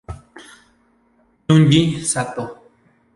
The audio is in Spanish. Junji Sato